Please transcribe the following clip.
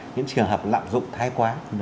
những trường hợp lạm dụng thai quá